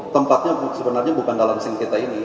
tempatnya sebenarnya bukan dalam sengketa ini